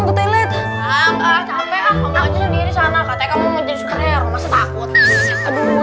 bahkan aku dulu